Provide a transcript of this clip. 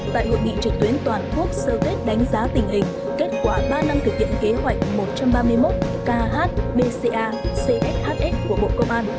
tại hội nghị trực tuyến toàn quốc sơ kết đánh giá tình hình kết quả ba năm thực hiện kế hoạch một trăm ba mươi một khbca cfhx của bộ công an